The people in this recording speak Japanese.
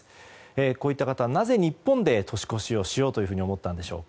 こういった方、なぜ日本で年越ししようと思ったのでしょうか。